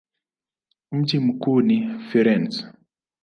Mji mkuu ni Firenze.